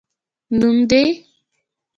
نوم دي؟